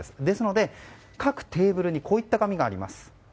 ですので、各テーブルにこういった紙があります。